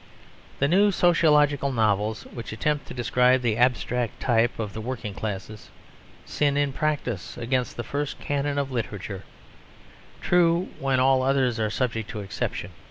The new sociological novels, which attempt to describe the abstract type of the working classes, sin in practice against the first canon of literature, true when all others are subject to exception.